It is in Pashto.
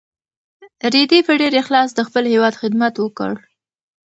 رېدي په ډېر اخلاص د خپل هېواد خدمت وکړ.